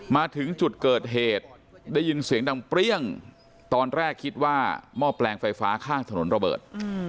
มาถึงจุดเกิดเหตุได้ยินเสียงดังเปรี้ยงตอนแรกคิดว่าหม้อแปลงไฟฟ้าข้างถนนระเบิด